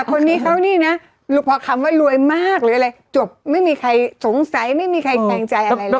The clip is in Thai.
คนนี้เขานี่นะพอคำว่ารวยมากหรืออะไรจบไม่มีใครสงสัยไม่มีใครแคลงใจอะไรเลย